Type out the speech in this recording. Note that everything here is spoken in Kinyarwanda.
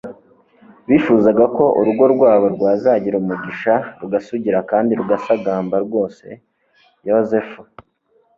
bifuzaga ko urugo rwabo rwazagira umugisha, rugasugira kandi rugasagamba rwose. yozefu